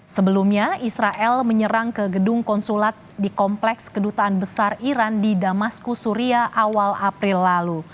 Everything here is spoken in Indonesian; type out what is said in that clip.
sebelumnya israel menyerang ke gedung konsulat di kompleks kedutaan besar iran di damasku suria awal april lalu